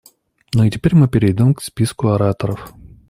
Ну и теперь мы перейдем к списку ораторов.